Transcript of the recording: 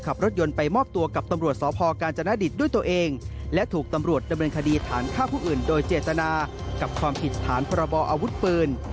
กับความผิดฐานพระบออาวุธเปลือน